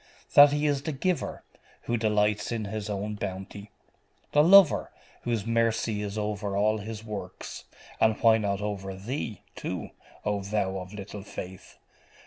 That He is the giver, who delights in His own bounty; the lover, whose mercy is over all His works and why not over thee, too, O thou of little faith?